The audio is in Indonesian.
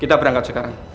kita berangkat sekarang